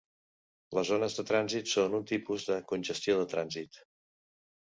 Les ones de trànsit són un tipus de congestió de trànsit.